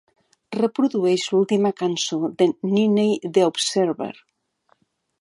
reprodueix l'última cançó d'en Niney The Observer